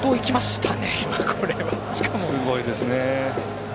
すごいですね。